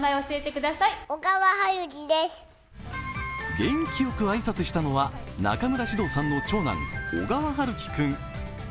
元気よく挨拶したのは中村獅童さんの長男、小川陽喜君。